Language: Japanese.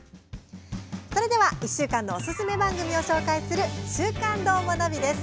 それでは１週間のおすすめ番組を紹介する「週刊どーもナビ」です。